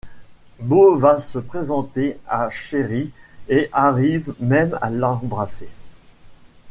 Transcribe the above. Bo va se présenter à Chérie et arrive même à l'embrasser.